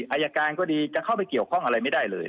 อายการก็ดีจะเข้าไปเกี่ยวข้องอะไรไม่ได้เลย